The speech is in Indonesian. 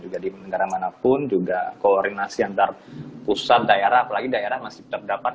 juga di negara manapun juga koordinasi antar pusat daerah apalagi daerah masih terdapat